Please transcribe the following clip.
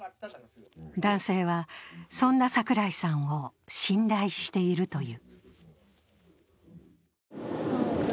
男性は、そんな櫻井さんを信頼しているという。